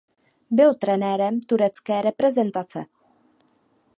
Byl trenérem turecké reprezentace.